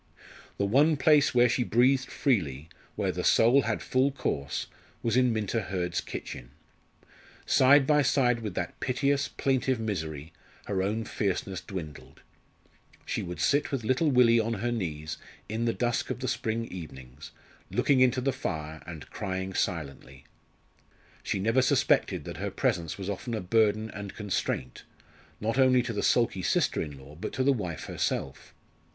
The one place where she breathed freely, where the soul had full course, was in Minta Hurd's kitchen. Side by side with that piteous plaintive misery, her own fierceness dwindled. She would sit with little Willie on her knees in the dusk of the spring evenings, looking into the fire, and crying silently. She never suspected that her presence was often a burden and constraint, not only to the sulky sister in law but to the wife herself.